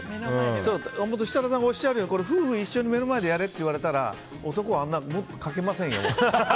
設楽さんがおっしゃるように夫婦一緒で目の前でやったら男は書けませんよ。